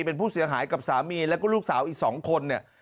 เป็นผู้เสียหายกับสามีแล้วก็ลูกสาวอีก๒คนเนี่ย